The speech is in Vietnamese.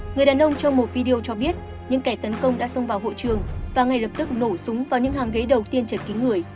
người đàn ông trong một video cho biết những kẻ tấn công đã xông vào hội trường và ngay lập tức nổ súng vào những hàng ghế đầu tiên chật kín người